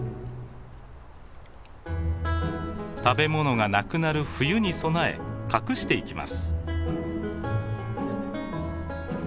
食べ物がなくなる冬に備え隠していきます。